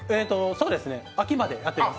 秋までやってます。